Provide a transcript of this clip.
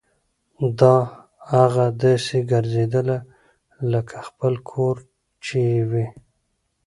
داه اغه داسې ګرځېدله لکه خپل کور چې يې وي.